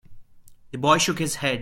The boy shook his head.